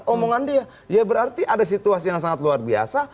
omongan dia ya berarti ada situasi yang sangat luar biasa